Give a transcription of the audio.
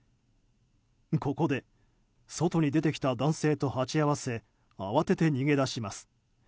ここで外に出てきた男性と鉢合わせ慌てて逃げ出します。